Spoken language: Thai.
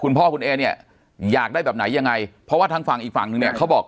พ่อคุณเอเนี่ยอยากได้แบบไหนยังไงเพราะว่าทางฝั่งอีกฝั่งนึงเนี่ยเขาบอก